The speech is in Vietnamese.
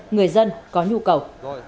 người dân có nhu cầu